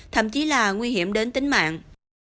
thậm chí là nguy hiểm đến tính mạng